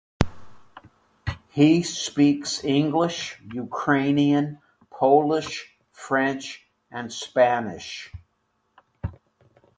He speaks English, Ukrainian, Polish, French, and Spanish.